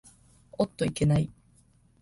おっといけない。